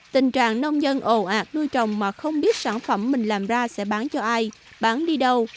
tình trạng nông dân ồ ạt nuôi trồng mà không biết sản phẩm mình làm ra sẽ bán cho ai bán đi đâu